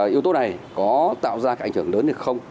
yếu tố này có tạo ra cái ảnh hưởng lớn hay không